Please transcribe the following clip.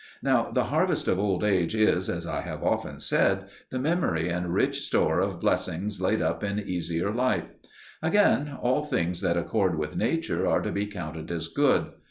Now the harvest of old age is, as I have often said, the memory and rich store of blessings laid up in easier life. Again, all things that accord with nature are to be counted as good.